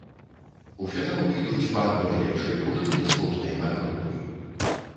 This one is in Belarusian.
У фінал выйдуць па адной лепшай дружыне з кожнай падгрупы.